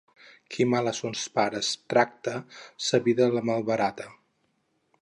Qui mal a sos pares tracta, sa vida la malbarata.